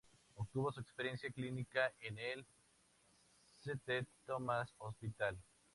Obtuvo su experiencia clínica en el "St Thomas' Hospital".